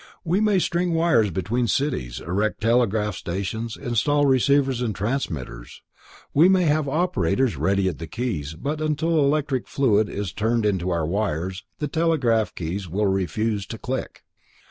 We may string wires between cities, erect telegraph stations, install receivers and transmitters. We may even have operators ready at the keys, but until electric fluid is turned into our wires, the telegraph keys will refuse to click.